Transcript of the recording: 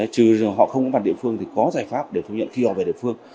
trừ họ không có bản địa phương thì có giải pháp để thu nhận khi họ về địa phương